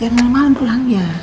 jangan malam malam pulang ya